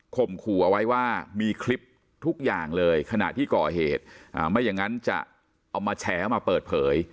ขู่เอาไว้ว่ามีคลิปทุกอย่างเลยขณะที่ก่อเหตุไม่อย่างนั้นจะเอามาแฉมาเปิดเผย